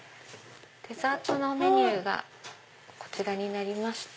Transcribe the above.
デザートのメニューがこちらになりまして。